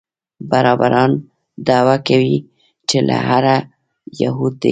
بربران دعوه کوي چې له آره یهود دي.